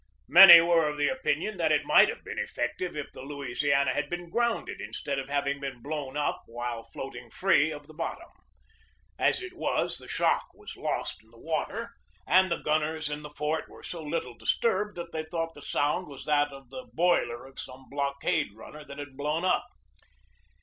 Many were of the opinion that it might have been effective if the Louisiana had been grounded instead of having been blown up while floating free of the bottom. As it was, the shock was lost in the water and the gunners in the fort were so little disturbed that they thought the sound was that of the boiler of some blockade runner that had blown up.